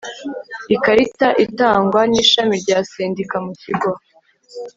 ikarita itangwa n'ishami rya sendika mu kigo